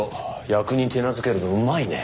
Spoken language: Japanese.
役人手なずけるのうまいね。